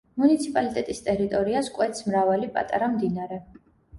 მუნიციპალიტეტის ტერიტორიას კვეთს მრავალი პატარა მდინარე.